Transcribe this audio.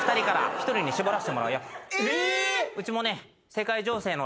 うちもね。